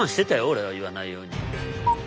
俺は言わないように。